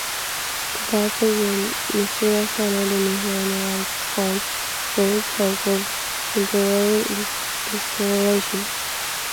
The arrival of the mysterious horned Nimon on Skonnos brought hope of imperial restoration.